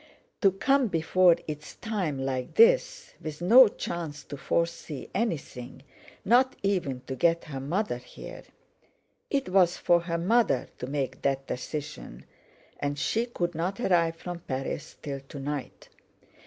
To come before its time like this, with no chance to foresee anything, not even to get her mother here! It was for her mother to make that decision, and she couldn't arrive from Paris till to night!